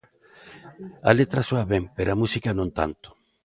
A letra soa ben, pero a música non tanto.